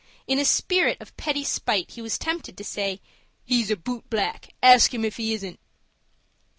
In a spirit of petty spite, he was tempted to say, "He's a boot black. Ask him if he isn't."